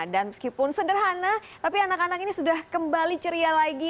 dan meskipun sederhana tapi anak anak ini sudah kembali ceria lagi